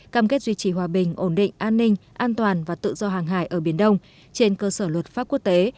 cam kết duy trì hòa bình ổn định an ninh an toàn và tự do hàng hải ở biển đông trên cơ sở luật pháp quốc tế